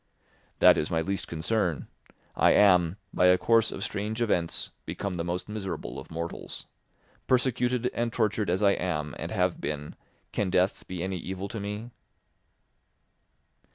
"That is my least concern; I am, by a course of strange events, become the most miserable of mortals. Persecuted and tortured as I am and have been, can death be any evil to me?"